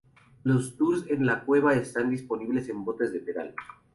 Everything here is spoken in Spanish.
Los tours en la cueva están disponibles en botes de pedal.